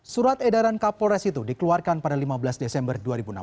surat edaran kapolres itu dikeluarkan pada lima belas desember dua ribu enam belas